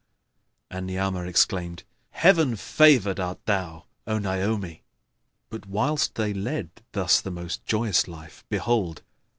And Ni'amah exclaimed, "Heaven favoured art thou, O Naomi!" But whilst they led thus the most joyous life, behold!